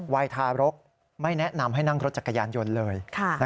วัยทารกไม่แนะนำให้นั่งรถจักรยานยนต์เลย